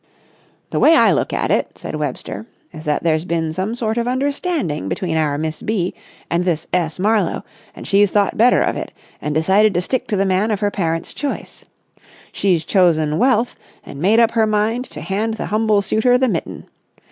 "The way I look at it," said Webster, "is that there's been some sort of understanding between our Miss B. and this S. Marlowe, and she's thought better of it and decided to stick to the man of her parent's choice. She's chosen wealth and made up her mind to hand the humble suitor the mitten.